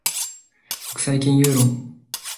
国際金融論